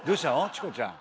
チコちゃん。